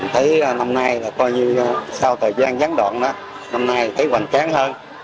thấy năm nay là coi như sau thời gian gián đoạn đó năm nay thấy hoành tráng hơn